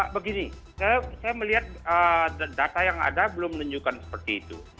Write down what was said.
begini saya melihat data yang ada belum menunjukkan seperti itu